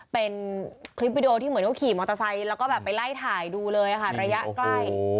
เป็นคลิปวิดีโอที่เหมือนเขาขี่มอเตอร์ไซค์แล้วก็แบบไปไล่ถ่ายดูเลยค่ะระยะใกล้